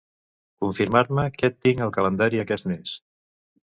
Confirmar-me què tinc al calendari aquest mes.